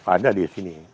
ada di sini